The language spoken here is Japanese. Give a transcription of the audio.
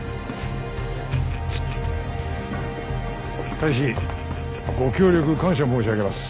大使ご協力感謝申し上げます。